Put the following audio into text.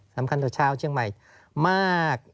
สำคัญต่อชาวเชียงใหม่มาก